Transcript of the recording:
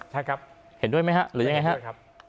ใช่ครับเห็นด้วยไหมฮะหรือยังไงครับ